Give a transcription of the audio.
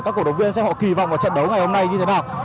các cổ động viên sẽ họ kỳ vọng vào trận đấu ngày hôm nay như thế nào